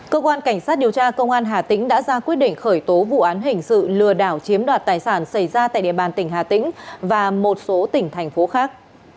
cơ quan cảnh sát điều tra công an hà tĩnh đã ra quyết định khởi tố vụ án hình sự lừa đảo chiếm đoạt tài sản xảy ra tại địa bàn tỉnh hà tĩnh và một số tỉnh thành phố khác